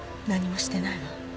何もしてないわ。